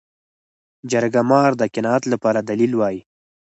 جرګه مار د قناعت لپاره دلایل وايي